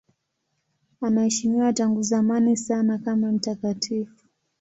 Anaheshimiwa tangu zamani sana kama mtakatifu.